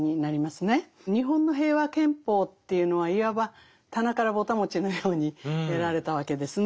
日本の平和憲法というのはいわば棚からぼた餅のように得られたわけですね。